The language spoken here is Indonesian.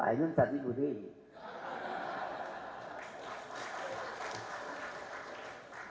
ayun tapi berani